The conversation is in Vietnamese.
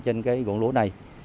trên cái vùng lúa này